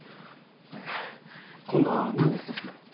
えっ？今度は何です？